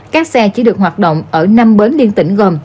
các xe chỉ được hoạt động ở năm bến liên tỉnh gồm